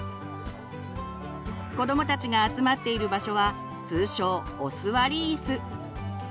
子どもたちが集まっている場所は通称「お座りイス」。